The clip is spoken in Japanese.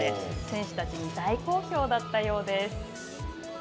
選手たちに大好評だったようです。